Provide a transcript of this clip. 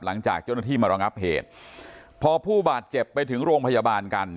หลังจากเจ้าหน้าที่มาระงับเหตุพอผู้บาดเจ็บไปถึงโรงพยาบาลกัน